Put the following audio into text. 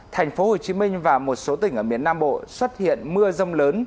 thành phố hồ chí minh và một số tỉnh ở miền nam bộ xuất hiện mưa rông lớn